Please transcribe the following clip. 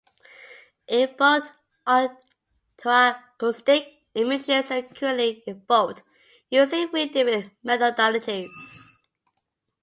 Evoked otoacoustic emissions are currently evoked using three different methodologies.